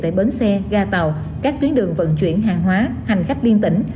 tại bến xe ga tàu các tuyến đường vận chuyển hàng hóa hành khách liên tỉnh